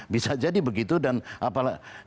bisa jadi begitu dan apalah